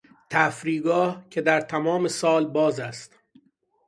تفریحگاه که در تمام سال باز است.